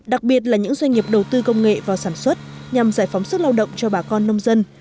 đặc biệt là những doanh nghiệp đầu tư công nghệ vào sản xuất nhằm giải phóng sức lao động cho bà con nông dân